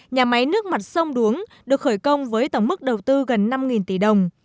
nhà máy nước mặt sông đuống được khởi công với tổng mức đầu tư gần năm tỷ đồng